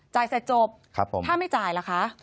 เสร็จจบถ้าไม่จ่ายล่ะคะ